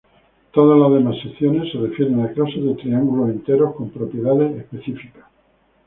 Todas las demás secciones se refieren a clases de triángulos enteros con propiedades específicas.